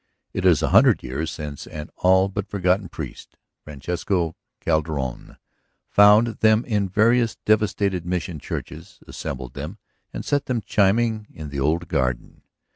It is a hundred years since an all but forgotten priest, Francisco Calderón, found them in various devastated mission churches, assembled them, and set them chiming in the old garden.